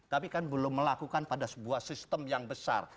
tapi kan belum melakukan pada sebuah sistem yang besar